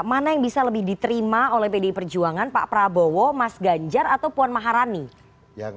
mana yang bisa lebih diterima oleh pdi perjuangan pak prabowo mas ganjar atau puan maharani yang